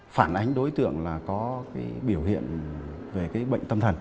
phản ánh đối tượng là có cái biểu hiện về cái bệnh tâm thần